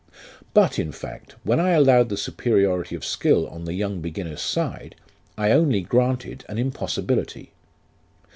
" But, in fact, when I allowed the superiority of skill on the young beginner's side, I only granted an impossibility.